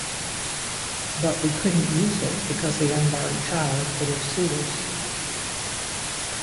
But we couldn't use it because the unborn child could have sued us.